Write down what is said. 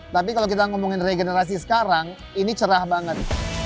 tapi kalau kita ngomongin regenerasi sekarang ini cerah banget